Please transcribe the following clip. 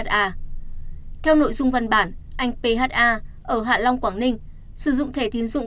theo nội dung văn bản anh pha ở hạ long quảng ninh sử dụng thẻ tín dụng